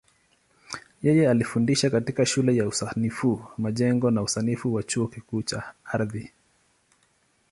Yeye alifundisha katika Shule ya Usanifu Majengo na Usanifu wa Chuo Kikuu cha Ardhi.